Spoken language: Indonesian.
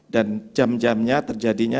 dan jam jamnya terjadinya